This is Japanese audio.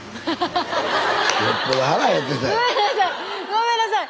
ごめんなさい！